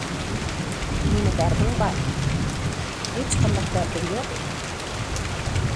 نېمە دەردىڭ بار؟- ھېچقانداق دەردىم يوق.